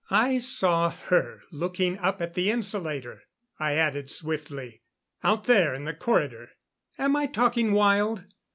"I saw her looking up at the insulator," I added swiftly. "Out there in the corridor. Am I talking wild?